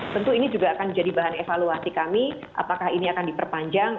tentu ini juga akan menjadi bahan evaluasi kami apakah ini akan diperpanjang